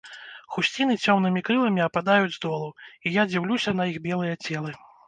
Хусціны цёмнымі крыламі ападаюць долу, і я дзіўлюся на іх белыя целы.